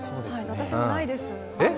私もないです。